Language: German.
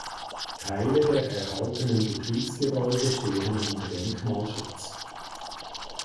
Teile der erhaltenen Betriebsgebäude stehen unter Denkmalschutz.